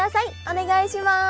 お願いします！